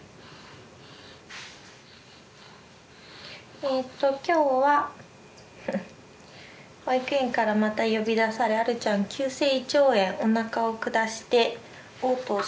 えっと今日は保育園からまた呼び出されあるちゃん急性胃腸炎おなかを下しておう吐して保育園から呼ばれました。